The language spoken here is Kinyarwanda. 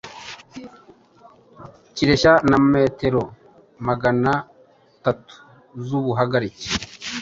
kireshya na metero maganatatu z’ubuhagarike